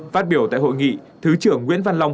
phát biểu tại hội nghị thứ trưởng nguyễn văn long